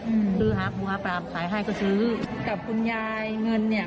อืมซื้อหาหมูหาปลาขายให้ก็ซื้อกับคุณยายเงินเนี้ย